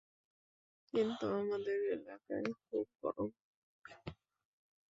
কিন্তু, আমাদের এলাকায় খুব গরম।